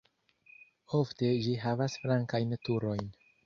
Ofte ĝi havas flankajn turojn.